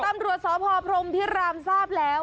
ตำรวจสพพรมพิรามทราบแล้ว